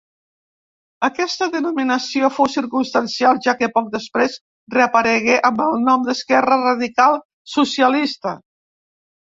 Aquesta denominació fou circumstancial, ja que poc després reaparegué amb el nom d'Esquerra Radical Socialista.